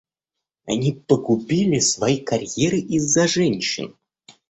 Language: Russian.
Они погубили свои карьеры из-за женщин.